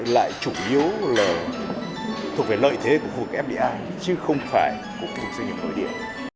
lại chủ yếu là thuộc về lợi thế của phục fdi chứ không phải của phục doanh nghiệp nội địa